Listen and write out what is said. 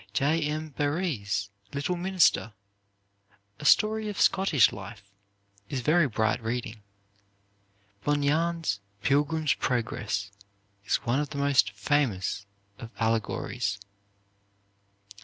J. M. Barrie's "Little Minister," a story of Scottish life, is very bright reading. Bunyan's "Pilgrim's Progress," is one of the most famous of allegories.